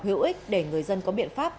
hiệu ích để người dân có biện pháp